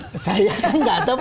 kita kan tidak tahu nih